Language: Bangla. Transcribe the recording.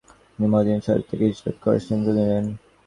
তিনি মদীনা শরীফ থেকে হিজরত করার সিদ্ধান্ত নিলেন।